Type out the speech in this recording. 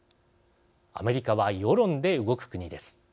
アメリカは世論で動く国です。